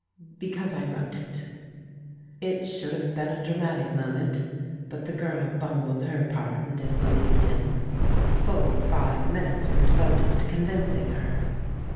"Because I wrote it." It should have been a dramatic moment, but the girl bungled her part and disbelieved him. Fully five minutes were devoted to convincing her.